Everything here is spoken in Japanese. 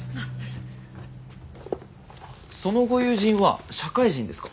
そのご友人は社会人ですか？